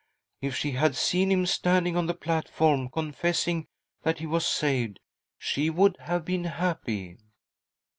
If she had seen him standing on the platform, confessing that he was saved, she would have been happy."